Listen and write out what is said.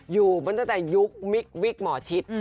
อยู่ตั้งแต่ยุควิคหมอชิถ